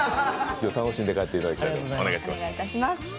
今日、楽しんで帰っていただきたいと思います。